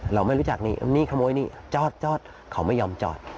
เราไม่รู้จักนี่ขโมยนี่จอดเขาไม่ยอมจอด